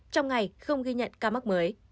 trong ngày không ghi nhận ca mắc mới